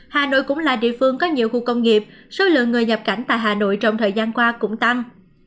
hà nội cũng là địa phương có nhiều khu công nghiệp số lượng người nhập cảnh tại hà nội trong thời gian qua cũng tăng